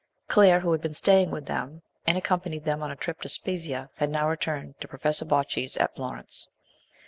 Claire, who had been staying with them, and accompanied them on a trip to Spez/ia, had now returned to Professor Bojti's at Florence.